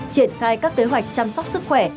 triển khai các kế hoạch chăm sóc sức khỏe